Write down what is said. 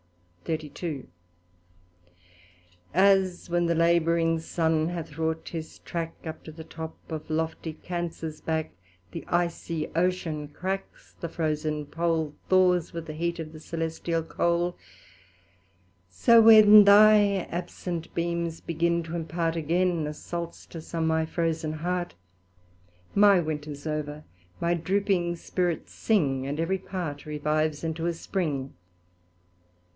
As when the labouring Sun hath wrought his track Up to the top of lofty Cancers back, The ycie Ocean cracks, the frozen pole Thaws with the heat of the Celestial coale; So when thy absent beams begin t' impart Again a Solstice on my frozen heart, My winter 's ov'r; my drooping spirits sing, And every part revives into a Spring.